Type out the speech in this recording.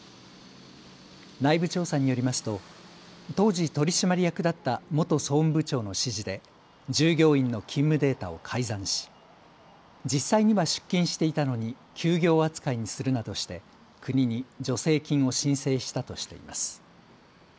内部調査によりますと当時取締役だった元総務部長の指示で従業員の勤務データを改ざんし実際には出勤していたのに休業扱いにするなどして国に助成金を申請したとしています。